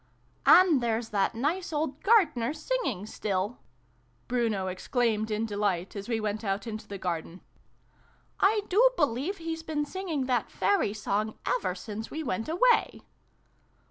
"And there's that nice old Gardener sing ing still!" Bruno exclaimed in delight, as we went out into the garden. " I do believe he's been singing that very song ever since we went away